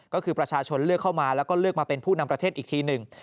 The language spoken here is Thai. ก็คือประชาชนเลือกเข้ามาแล้วก็เลือกมาเป็นผู้นำประเทศอีกทีหนึ่ง